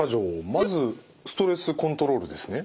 まずストレスコントロールですね。